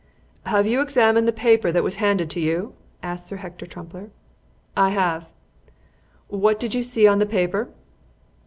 "Have you examined the paper that was handed to you?" asked Sir Hector Trumpler. "I have." "What did you see on the paper?"